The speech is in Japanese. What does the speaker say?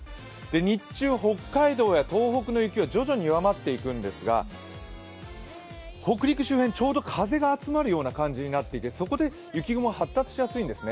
日中、北海道や東北の雪は徐々に弱まっていくんですが、北陸周辺、ちょうど風が集まるような感じになっていてそこで雪雲発達しやすいんですね。